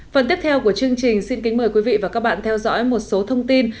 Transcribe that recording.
phần tiếp theo của chương trình xin kính mời quý vị và các bạn theo dõi một số thông tin